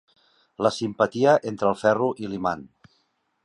La simpatia entre el ferro i l'imant.